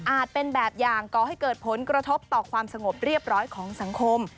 เป็นแบบอย่างก่อให้เกิดผลกระทบต่อความสงบเรียบร้อยของสังคม